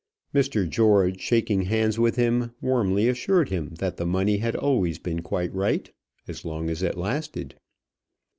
Mr. George, shaking hands with him, warmly assured him that the money had always been quite right as long as it lasted.